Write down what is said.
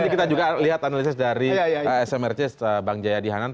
nanti kita juga lihat analisis dari smrc bang jayadi hanan